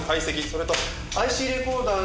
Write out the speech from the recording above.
それとＩＣレコーダーの。